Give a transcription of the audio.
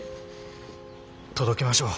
届けましょう。